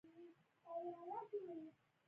دا سبزی د بدن د پیاوړتیا لپاره غوره دی.